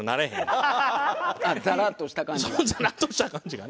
そうザラッとした感じがね。